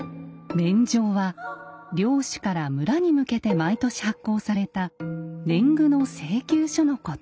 免定は領主から村に向けて毎年発行された年貢の請求書のこと。